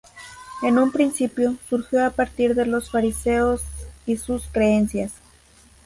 En un principio, surgió a partir de los fariseos y sus creencias.